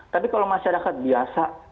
tapi kalau masyarakat biasa